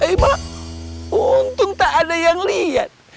emang untung tak ada yang lihat